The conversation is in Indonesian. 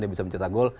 dia bisa mencetak gol